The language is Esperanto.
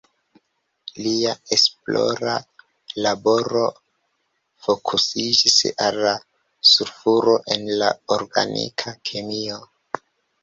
Lia esplora laboro fokusiĝis al sulfuro en la organika kemio.